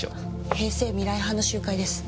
平成未来派の集会です。